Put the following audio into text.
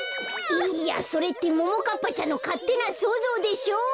いいやそれってももかっぱちゃんのかってなそうぞうでしょ！